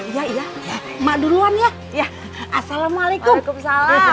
iya iya mak duluan ya assalamualaikum